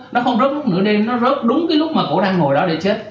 nó không rớt lúc nửa đêm nó rớt đúng cái lúc mà cổ đang ngồi đó để chết